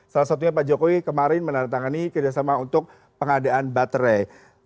salah satunya pak jokowi kemarin menandatangani kerjasama untuk pengadaan baterai